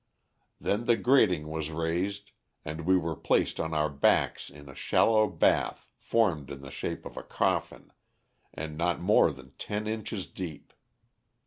"Then the grating was raised and we were placed on our back in a shallow bath formed in the shape of a coffin, and not more than ten inches deep.